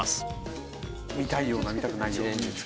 見たいような見たくないような。